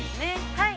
◆はい。